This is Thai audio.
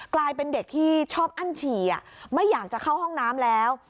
กลายเป็นเด็กที่ชอบอั้นฉี่ไม่อยากจะเข้าห้องน้ำแล้ว